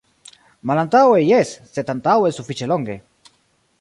Malantaŭe, jes, sed antaŭe sufiĉe longe.